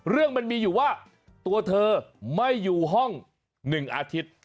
เรื่องมันมีอยู่ว่าตัวเธอไม่อยู่ห้อง๑อาทิตย์